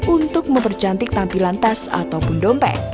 untuk mempercantik tampilan tas ataupun dompet